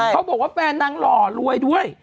เขาบอกว่าแฟนนางหล่อรวยด้วย